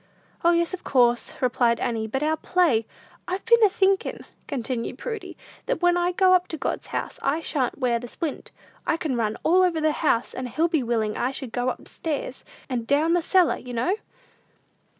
"O, yes, of course," replied Annie, "but our play " "I've been a thinkin'," continued Prudy, "that when I go up to God's house, I shan't wear the splint. I can run all over the house, and he'll be willing I should go up stairs, and down cellar, you know."